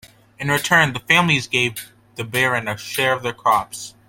In return, the families gave the Baron a share of the crops.